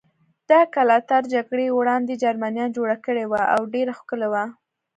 دا کلا تر جګړې وړاندې جرمنیان جوړه کړې وه او ډېره ښکلې وه.